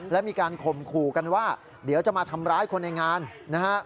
และมีการข่มขู่กันว่าเดี๋ยวจะมาทำร้ายคนในงานนะฮะ